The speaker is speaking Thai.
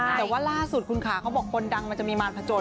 แต่ว่าล่าสุดคุณขาเขาบอกคนดังมันจะมีมารพจน